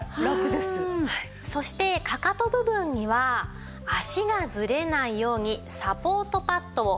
そしてかかと部分には足がずれないようにサポートパッドを。